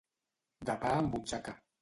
De pa en butxaca.